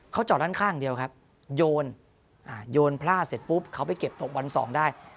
เขาจอดด้านข้างเดียวครับโยนโยนพลาดเสร็จปุ๊บเขาไปเก็บตกวันสองได้